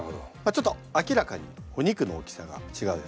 ちょっと明らかにお肉の大きさが違うよね。